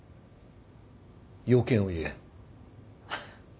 用件を言え。